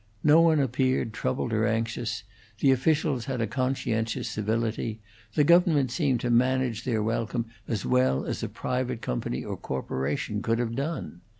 No one appeared troubled or anxious; the officials had a conscientious civility; the government seemed to manage their welcome as well as a private company or corporation could have done.